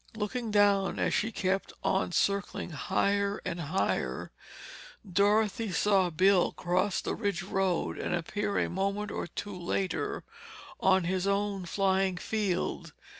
Looking down as she kept on circling higher and higher, Dorothy saw Bill cross the ridge road and appear a moment or two later on his own flying field.